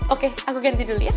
oke aku ganti dulu ya